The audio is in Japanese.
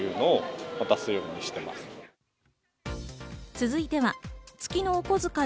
続いては月のお小遣い